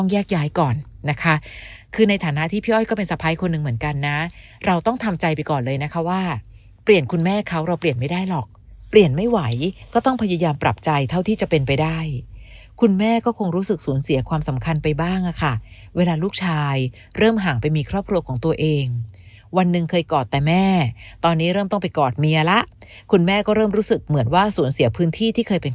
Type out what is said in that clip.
ไปก่อนเลยนะคะว่าเปลี่ยนคุณแม่เขาเราเปลี่ยนไม่ได้หรอกเปลี่ยนไม่ไหวก็ต้องพยายามปรับใจเท่าที่จะเป็นไปได้คุณแม่ก็คงรู้สึกสูญเสียความสำคัญไปบ้างอ่ะค่ะเวลาลูกชายเริ่มห่างไปมีครอบครัวของตัวเองวันหนึ่งเคยกอดแต่แม่ตอนนี้เริ่มต้องไปกอดเมียละคุณแม่ก็เริ่มรู้สึกเหมือนว่าสูญเสียพื้นที่ที่เคย